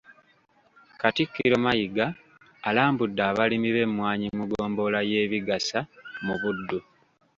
Katikkiro Mayiga alambudde abalimi b’emmwanyi mu ggombolola y’e Bigasa mu Buddu .